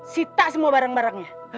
sita semua barang barangnya